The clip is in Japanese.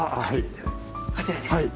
はい。